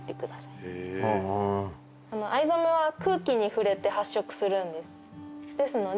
藍染めは空気に触れて発色するんです。